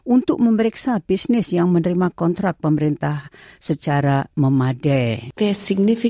untuk memeriksa bisnis yang menerima kontrak pemerintah secara memadai